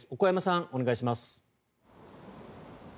小古山さん、お願いします。